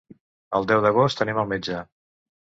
El deu d'agost anem al metge.